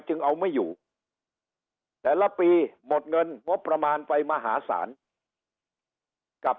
จึงเอาไม่อยู่แต่ละปีหมดเงินงบประมาณไปมหาศาลกับ